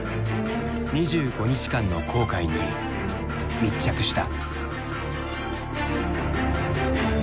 ２５日間の航海に密着した。